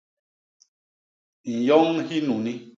Nyoñ hinuni.